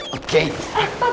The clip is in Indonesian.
pak reger tunggu